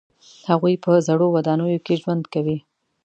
هغوی په زړو ودانیو کې ژوند کوي.